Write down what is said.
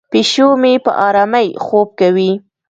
پیشو مې په آرامۍ خوب کوي.